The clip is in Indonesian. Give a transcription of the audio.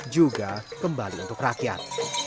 juga kembali untuk rakyat